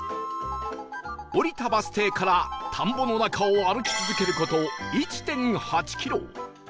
降りたバス停から田んぼの中を歩き続ける事 １．８ キロ